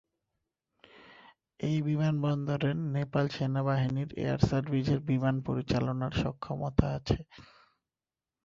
এই বিমানবন্দরের নেপাল সেনাবাহিনীর এয়ার সার্ভিসের বিমান পরিচালনার সক্ষমতা আছে।